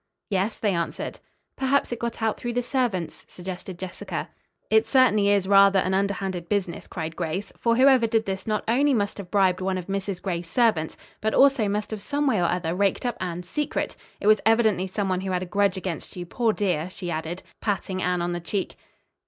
"Yes," they answered. "Perhaps it got out through the servants," suggested Jessica. "It certainly is rather an underhanded business," cried Grace, "for whoever did this not only must have bribed one of Mrs. Gray's servants, but also must have some way or other raked up Anne's secret. It was evidently some one who had a grudge against you, poor dear," she added, patting Anne on the cheek.